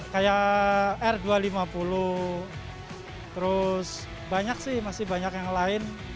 kayak r dua ratus lima puluh terus banyak sih masih banyak yang lain